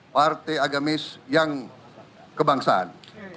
partai agamis yang kebangsaan